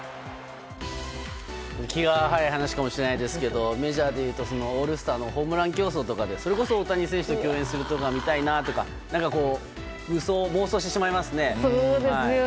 気が早い話かもしれないですけどメジャーでいうとオールスターのホームラン競争とかでそれこそ大谷選手と競演するところが見たいなとか理想が暴走してしまいますね。